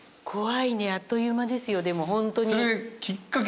怖いねあっという間ですよでもホントに。